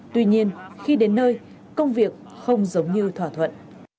tuy nhiên khi đến nơi công việc không giống như thỏa thuận